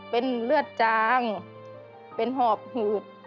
เป็นเลือดจางเป็นหอบหืด